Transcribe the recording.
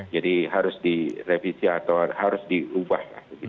jadi harus direvisi atau harus diubah